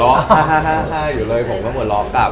หาหาหาอยู่เลยเราก็หัวล้อกลับ